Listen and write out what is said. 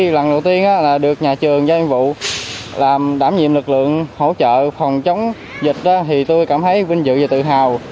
lần đầu tiên được nhà trường giao nhiệm vụ làm đảm nhiệm lực lượng hỗ trợ phòng chống dịch thì tôi cảm thấy vinh dự và tự hào